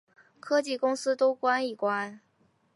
科技公司都关一关